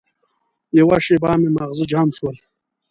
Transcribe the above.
یوه شېبه مې ماغزه جام شول.